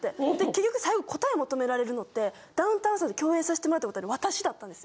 結局最後答え求められるのってダウンタウンさんと共演さしてもらったことある私だったんです。